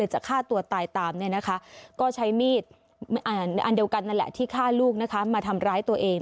จะฆ่าตัวตายตามก็ใช้มีดอันเดียวกันนั่นแหละที่ฆ่าลูกมาทำร้ายตัวเอง